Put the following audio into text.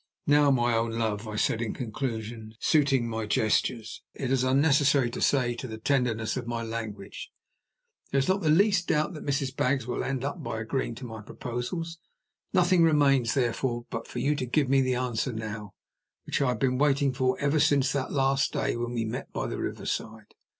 "Now, my own love," I said, in conclusion suiting my gestures, it is unnecessary to say, to the tenderness of my language "there is not the least doubt that Mrs. Baggs will end by agreeing to my proposals. Nothing remains, therefore, but for you to give me the answer now, which I have been waiting for ever since that last day when we met by the riverside.